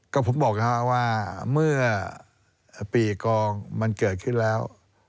ก็ผมบอกนะครับว่าเมื่อปีกองมันเกิดขึ้นแล้ว